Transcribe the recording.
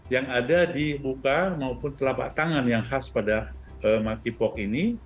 yang ada di buka maupun telapak tangan yang khas pada monkeypox ini